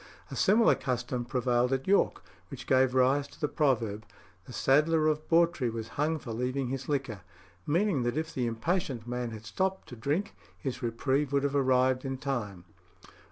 A similar custom prevailed at York, which gave rise to the proverb, "The saddler of Bawtry was hung for leaving his liquor," meaning that if the impatient man had stopped to drink, his reprieve would have arrived in time.